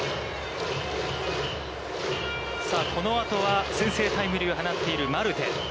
このあとは、先制タイムリーを放っているマルテ。